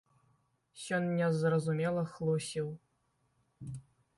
Сёння зразумела — хлусіў.